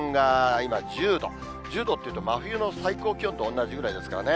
今１０度、１０度というと、真冬の最高気温と同じぐらいですからね。